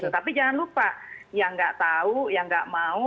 tapi jangan lupa yang nggak tahu yang nggak mau